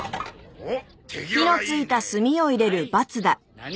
おっ？